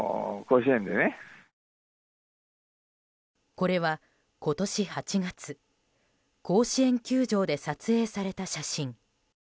これは今年８月甲子園球場で撮影された写真。